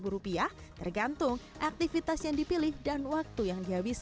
satu ratus sembilan puluh sembilan rupiah tergantung aktivitas yang dipilih dan waktu yang dihabiskan